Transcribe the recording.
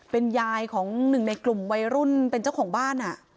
เป็นยายของหนึ่งในกลุ่มวัยรุ่นเป็นเจ้าของบ้าน